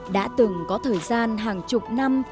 đã từng có thời gian hàng chục năm